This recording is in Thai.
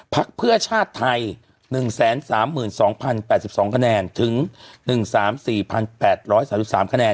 พักเพื่อชาติไทยหนึ่งแสนสามหมื่นสองพันแปดสิบสองคะแนนถึงหนึ่งสามสี่พันแปดร้อยสามสี่สามคะแนน